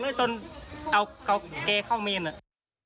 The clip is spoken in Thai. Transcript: คุณเอาเกลียดเข้าเมียหนึ่ง